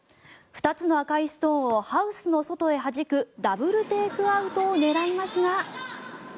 ２つの赤いストーンをハウスの外へはじくダブルテイクアウトを狙いますが。